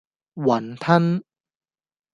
雲吞